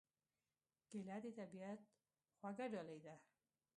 کېله د طبیعت خوږه ډالۍ ده.